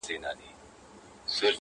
حقيقت لا هم مبهم پاتې دی